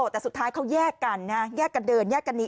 แต่สุดท้ายเขาแยกกันนะแยกกันเดินแยกกันนี้